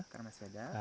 karena masih ada